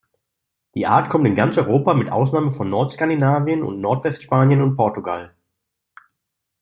Die Art kommt in ganz Europa mit Ausnahme von Nordskandinavien und Nordwestspanien und Portugal.